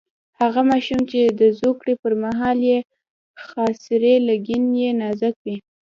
هغه ماشومان چې د زوکړې پر مهال یې خاصرې لګن یې نازک وي.